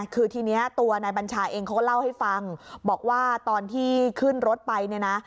คือทีนี้ตัวนายบัญชาเองเขาก็เล่าให้ฟังบอกว่าตอนที่ขึ้นรถไปเนี่ยนะ